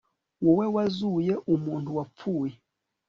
wowe wazuye umuntu wapfuye